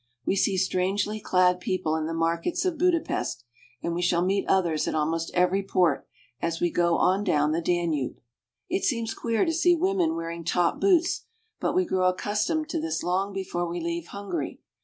We see strangely clad people in the markets of Budapest, and we shall meet others at almost every port, as w r e go on down the Danube. It seems queer to see women wearing top boots, but we grow accustomed to this long before we leave Hungary.